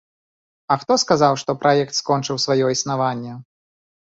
А хто сказаў, што праект скончыў сваё існаванне?